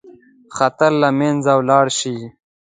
خطر له منځه ولاړ شي.